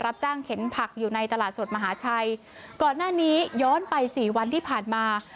รับจ้างเข็นผักอยู่ในตลาดสดมหาชัยก่อนหน้านี้ย้อนไปสี่วันที่ผ่านมา